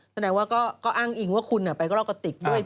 แสดงว่าก็อ้างอิงว่าคุณไปก็ลอกกระติกด้วย